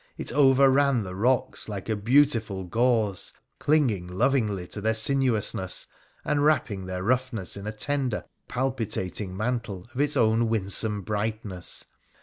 It overran the rocks like a beautiful gauze, clinging lovingly to their sinuousness, and wrapping their roughness in a tender, palpitating mantle of its own winsome brightness.